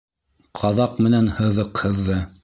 Ҡаҙаҡ менән һыҙыҡ һыҙҙы.